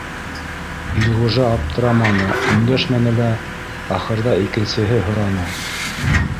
Илғужа аптыраманы, өндәшмәне лә, ахырҙа икенсеһе һораны: